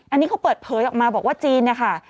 อันนี้เขาเปิดเผยออกมาบอกว่าจีนนะคะ